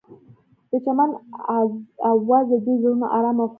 د چمن اواز د دوی زړونه ارامه او خوښ کړل.